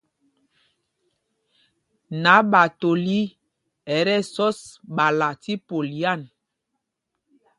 Naɓatoli ɛ tí ɛsɔs ɓala tí polyan.